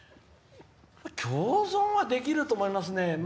共存はできると思いますね。